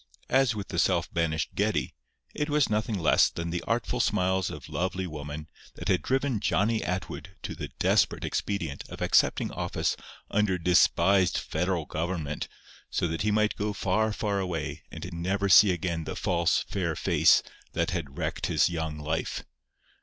As with the self banished Geddie, it was nothing less than the artful smiles of lovely woman that had driven Johnny Atwood to the desperate expedient of accepting office under a despised Federal Government so that he might go far, far away and never see again the false, fair face that had wrecked his young life.